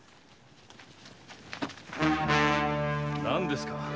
何ですか？